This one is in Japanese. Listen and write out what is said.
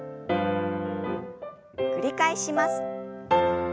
繰り返します。